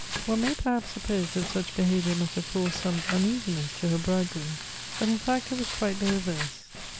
One may perhaps suppose that such behavior must have caused some uneasiness to her bridegroom. But, in fact, it was quite the reverse.